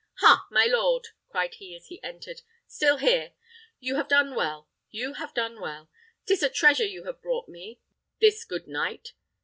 "Ha, my lord!" cried he, as he entered; "still here! You have done well; you have done well. 'Tis a treasure you have brought me, this good knight.